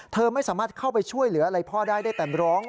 เธอไม่สามารถเข้าไปช่วยเหลืออะไรพ่อได้ได้แต่ร้อง